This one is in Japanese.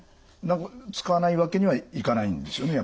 使わないわけにはいかないんですよね？